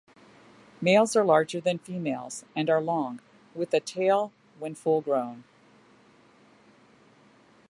Males are larger than females and are long, with an tail when full-grown.